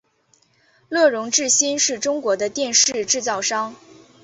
乐融致新是中国的电视制造商。